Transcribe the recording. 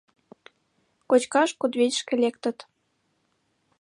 Кочкаш кудывечышке лектыт.